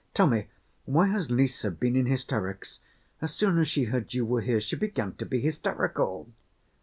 Tell me, why has Lise been in hysterics? As soon as she heard you were here, she began to be hysterical!"